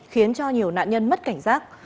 khiến cho nhiều nạn nhân mất cảnh giác